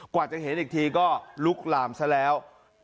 กว่าจะเห็นอีกทีก็ลุกลามซะแล้ว